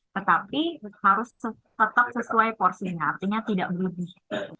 tetapi harus tetap sesuai porsinya artinya tidak berlebih